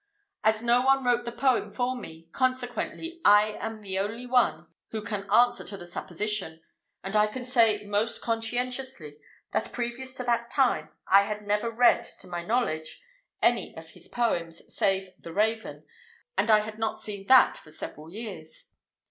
As no one wrote the poem for me, consequently I am the only one who can answer to the supposition; and I can say, most conscientiously, that previous to that time I had never read, to my knowledge, any of his poems, save "The Raven," and I had not seen that for several years.